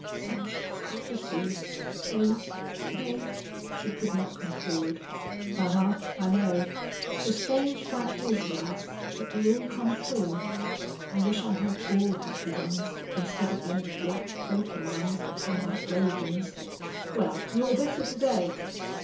"Such prophecies! They they " She could not conclude. "Ahuh! I know. The strange fact is, lass, that they all come true. I wish I had all happy ones, instead of them black, croakin' ones that come like ravens.... Well, you're better to day?"